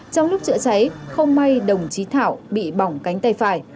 trong lúc chữa cháy không may đồng chí thảo bị bỏng cánh tay phải